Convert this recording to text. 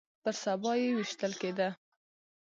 پر سبا يې ويشتل کېده.